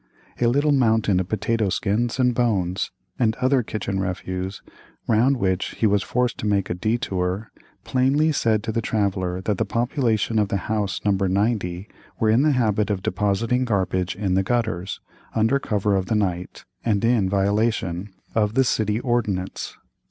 A little mountain of potato skins, and bones, and other kitchen refuse, round which he was forced to make a detour, plainly said to the traveller that the population of the house No. 80 were in the habit of depositing garbage in the gutters, under cover of the night, and in violation of the city ordinance.